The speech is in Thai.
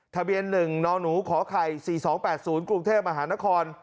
ทะเบียน๑นหนูขอไข่๔๒๘๐กรุงเทพมหานคร